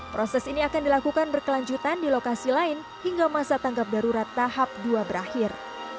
proses ini akan dilakukan berkelanjutan di lokasi lain hingga masa tanggap darurat tahap dua berakhir